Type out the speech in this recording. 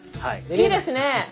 いいですね。